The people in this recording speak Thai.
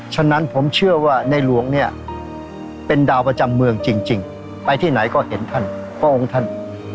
ฉะนั้นผมเชื่อว่าในหลวงเนี่ยเป็นดาวประจำเมืองจริงไปที่ไหนก็เห็นท่านพระองค์ท่าน